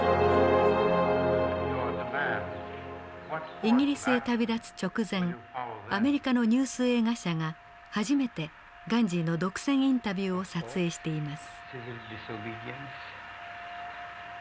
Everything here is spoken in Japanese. イギリスへ旅立つ直前アメリカのニュース映画社が初めてガンジーの独占インタビューを撮影しています。